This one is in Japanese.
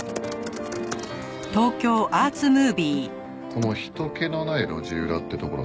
この「人けのない路地裏」ってところさ